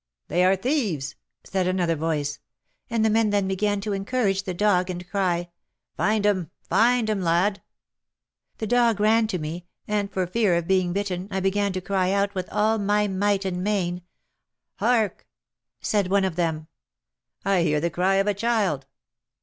'They are thieves,' said another voice; and the men then began to encourage the dog, and cry, 'Find 'em! find 'em, lad!' The dog ran to me, and, for fear of being bitten, I began to cry out with all my might and main. 'Hark!' said one of them; 'I hear the cry of a child.'